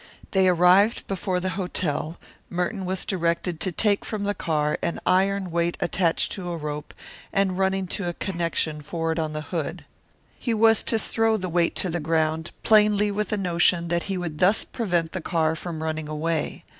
They arrived before the hotel; Merton was directed to take from the car an iron weight attached to a rope and running to a connection forward on the hood. He was to throw the weight to the ground, plainly with the notion that he would thus prevent the car from running away.